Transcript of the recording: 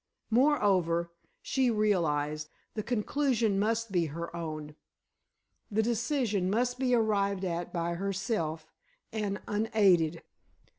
Moreover, she realized, the conclusion must be her own—the decision must be arrived at by herself, and unaided.